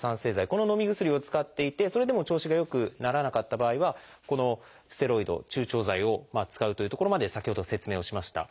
こののみ薬を使っていてそれでも調子が良くならなかった場合はこのステロイド注腸剤を使うというところまで先ほど説明をしました。